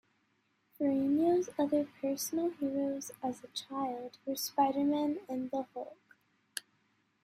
Ferrigno's other personal heroes as a child were Spider-Man and the Hulk.